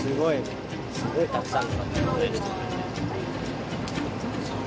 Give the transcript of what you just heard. すごいたくさんの方が応援してくれて。